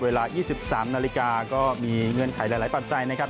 เวลา๒๓นาฬิกาก็มีเงื่อนไขหลายปัจจัยนะครับ